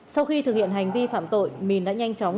sau khi thực hiện hành vi phạm tội mình đã nhanh chóng